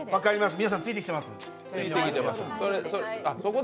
皆さんついてきてます？